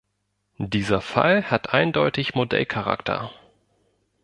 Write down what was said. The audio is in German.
Dieser Fall hat eindeutig Modellcharakter.